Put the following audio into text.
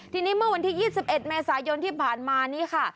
ทีนี้เมื่อวันที่๒๑เมษายนที่ผ่านมานี้ค่ะ